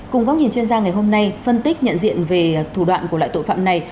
cùng góc nhìn chuyên gia ngày hôm nay phân tích nhận diện về thủ đoạn của loại tội phạm này